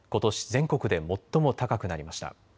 全国で最も高くなりました。